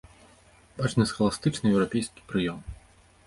Бачны схаластычны еўрапейскі прыём.